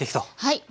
はい。